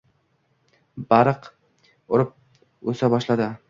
Barq urib o’sa boshladi.